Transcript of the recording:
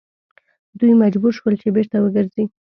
دوی مجبور شول چې بیرته وګرځي.